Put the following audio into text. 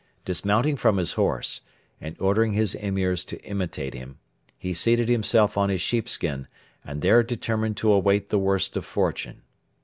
Dismounting from his horse, and ordering his Emirs to imitate him, he seated himself on his sheepskin and there determined to await the worst of fortune.